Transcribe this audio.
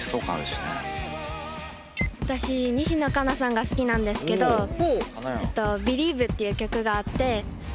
私西野カナさんが好きなんですけど「Ｂｅｌｉｅｖｅ」っていう曲があって。